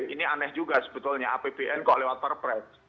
ini aneh juga sebetulnya apbn kok lewat perpres